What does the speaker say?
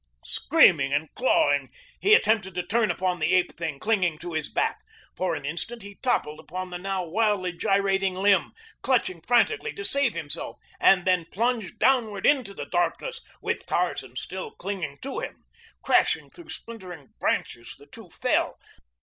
Screaming and clawing he attempted to turn upon the ape thing clinging to his back. For an instant he toppled upon the now wildly gyrating limb, clutched frantically to save himself, and then plunged downward into the darkness with Tarzan still clinging to him. Crashing through splintering branches the two fell.